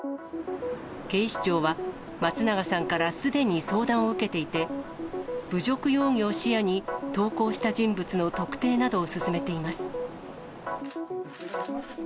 警視庁は、松永さんからすでに相談を受けていて、侮辱容疑を視野に、投稿した人物の特定などを進めています。